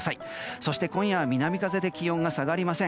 そして今夜は南風で気温が下がりません。